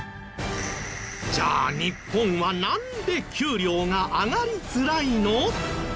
じゃあ日本はなんで給料が上がりづらいの？